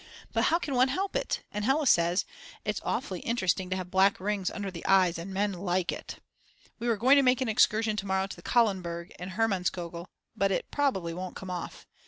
But how can one help it, and Hella says: It's awfully interesting to have black rings under the eyes and men like it. We were going to make an excursion to morrow to Kahlenberg and Hermannskogel, but probably it won't come off.